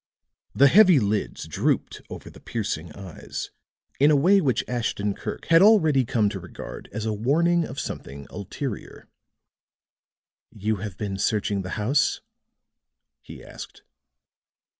The heavy lids drooped over the piercing eyes in a way which Ashton Kirk had already come to regard as a warning of something ulterior. "You have been searching the house?" he asked.